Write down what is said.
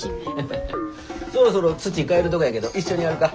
そろそろ土替えるとこやけど一緒にやるか？